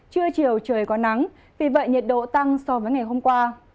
trưa chiều trời có nắng vì vậy nhiệt độ tăng so với ngày hôm qua